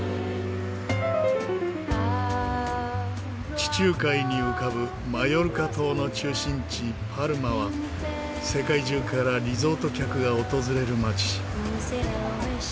地中海に浮かぶマヨルカ島の中心地パルマは世界中からリゾート客が訪れる街。